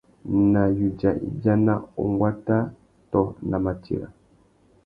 Nà yudza ibiana, unguata tô nà matira.